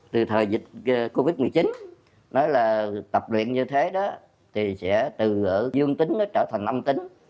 từ thời dịch covid một mươi chín nói là tập luyện như thế đó thì sẽ từ dương tính nó trở thành âm tính